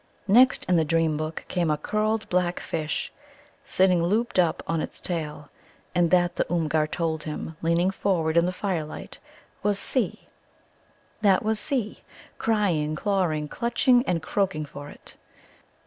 Next in the dream book came a curled black fish, sitting looped up on its tail. And that, the Oomgar told him, leaning forward in the firelight, was "C"; that was "C" crying, clawing, clutching, and croaking for it.